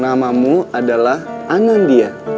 namamu adalah anandiya